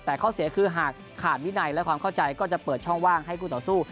แต่ข้อเสียคือหากขาดวินัยและความเข้าใจก็จะเปิดช่องว่างให้คู่ต่อสู้